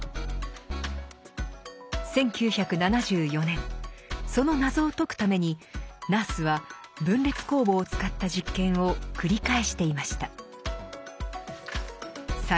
１９７４年その謎を解くためにナースは分裂酵母を使った実験を繰り返していました。